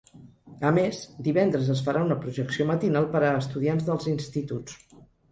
A més, divendres es farà una projecció matinal per a estudiants dels instituts.